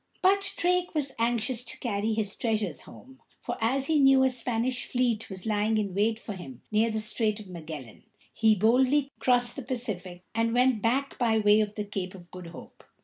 But Drake was anxious to carry his treasures home; and as he knew a Spanish fleet was lying in wait for him near the Strait of Magellan, he boldly crossed the Pacific, and went back by way of the Cape of Good Hope.